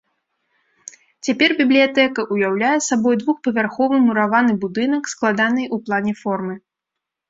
Цяпер бібліятэка ўяўляе сабой двухпавярховы мураваны будынак складанай у плане формы.